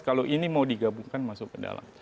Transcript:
kalau ini mau digabungkan masuk ke dalam